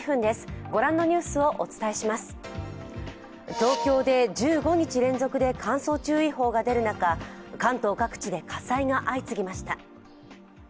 東京で１５日連続で乾燥注意報が出る中、関東各地で火災が相次ぎました。